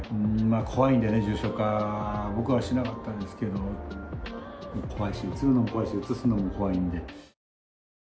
怖いんでね、重症化、僕はしなかったんですけど、怖いですよ、うつるのも怖いし、うつすのも怖いんで。